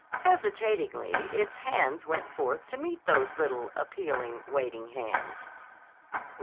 Hesitatingly its hands went forth to meet those little, appealing, waiting hands.